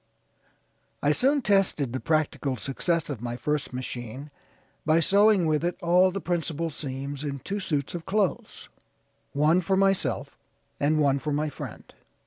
I soon tested the practical success of my first machine by sewing with it all the principal seams in two suits of clothes, one for myself, and one for my friend.